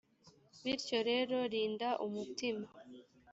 bityo rero rinda umutima